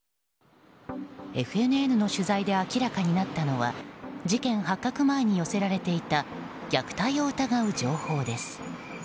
ＦＮＮの取材で明らかになったのは事件発覚前に寄せられていた虐待を疑う情報です。